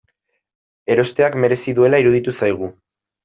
Erosteak merezi duela iruditu zaigu.